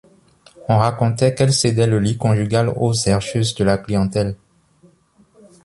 On racontait qu’elle cédait le lit conjugal aux herscheuses de la clientèle.